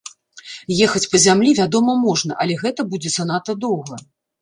Ехаць па зямлі вядома можна, але гэта будзе занадта доўга.